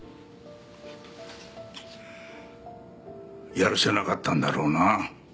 やるせなかったんだろうな。